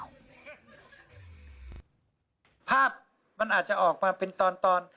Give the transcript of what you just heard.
ภาพมันอาจจะออกมาเป็นตอน